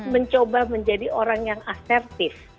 mencoba menjadi orang yang asertif